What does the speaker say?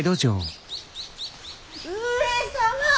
上様！